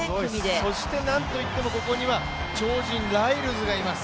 そして何と言っても、ここには超人ライルズがいます。